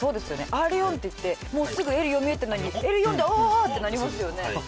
Ｒ４って言ってもうすぐＬ４見えてるのにＬ４でああっ！ってなりますよね。